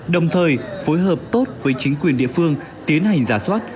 đồng thời phối hợp tốt với chính quyền địa phương tiến hành giả soát